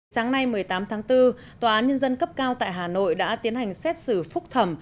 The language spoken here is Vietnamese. sáng nay một mươi tám tháng bốn tòa án nhân dân cấp cao tại hà nội đã tiến hành xét xử phúc thẩm